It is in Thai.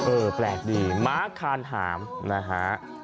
แปลกดีม้าคานหามนะฮะ